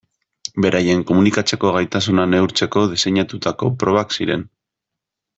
Beraien komunikatzeko gaitasuna neurtzeko diseinatutako probak ziren.